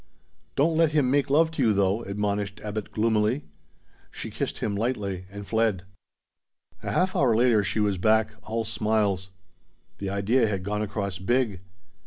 "Don't let him make love to you, though!" admonished Abbot gloomily. She kissed him lightly, and fled. A half hour later she was back, all smiles. The idea had gone across big.